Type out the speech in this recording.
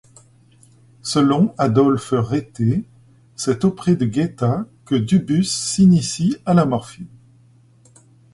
Selon Adolphe Retté, c'est auprès de Guaita que Dubus s'initie à la morphine.